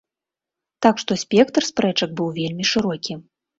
Так што спектр спрэчак быў вельмі шырокі.